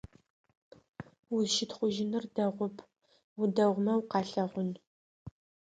Узщытхъужьыныр дэгъоп, удэгъумэ укъалъэгъун.